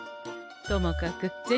ともかく銭